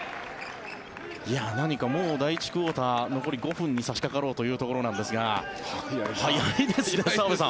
何かもう第１クオーター残り５分に差しかかろうというところなんですが早いですね、澤部さん。